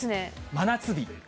真夏日。